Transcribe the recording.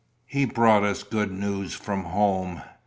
He brought us good news from home.